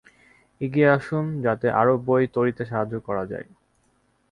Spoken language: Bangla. এগিয়ে আসুন যাতে আরও বই তৈরীতে সাহায্য করা যায়।